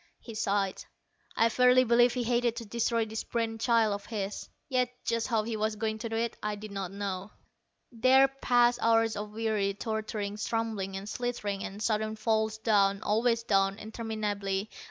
He sighed. I verily believe he hated to destroy this brain child of his. Yet just how he was going to do it, I did not know. There passed hours of weary, tortured stumblings, and slitherings, and sudden falls down, always down, interminably.